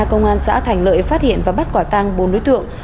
công an xã thành lợi phát hiện và bắt quả tăng bốn đối tượng